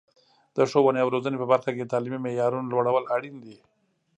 د ښوونې او روزنې په برخه کې د تعلیمي معیارونو لوړول اړین دي.